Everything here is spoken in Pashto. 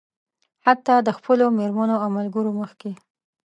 حتيٰ د خپلو مېرمنو او ملګرو مخکې.